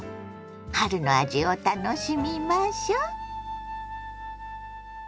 春の味を楽しみましょ。